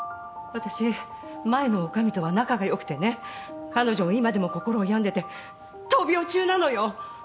私前の女将とは仲が良くてね彼女今でも心を病んでて闘病中なのよ。